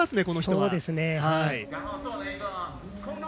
この人は。